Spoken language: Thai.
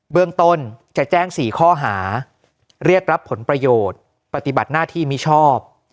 เรื่องต้นจะแจ้ง๔ข้อหาเรียกรับผลประโยชน์ปฏิบัติหน้าที่มิชอบ